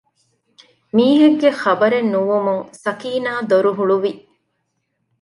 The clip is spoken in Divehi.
މީހެއްގެ ޚަބަރެއް ނުވުމުން ސަކީނާ ދޮރު ހުޅުވި